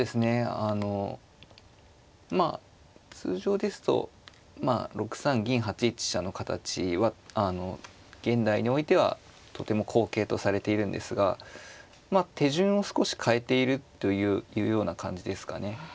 あのまあ通常ですと６三銀８一飛車の形はあの現代においてはとても好形とされているんですがまあ手順を少し変えているというような感じですかね。